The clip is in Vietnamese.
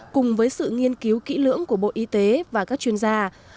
cùng với sự nghiên cứu kỹ lưỡng của bộ y tế và các chuyên gia